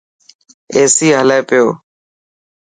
ايسي هلي پيو.